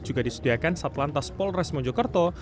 juga disediakan satu lantas polres mojokerto